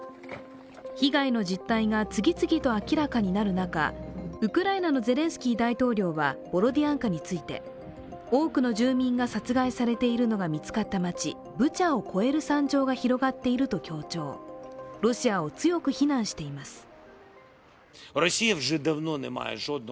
被害の実態が次々と明らかになる中、ウクライナのゼレンスキー大統領はボロディアンカについて多くの住民が殺害されているのが見つかった街、ブチャを超える惨状が広がっていると強調、ロシアを強く非難しています。